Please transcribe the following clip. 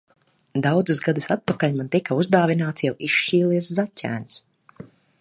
Daudzus gadus atpakaļ man tika uzdāvināts jau izšķīlies zaķēns.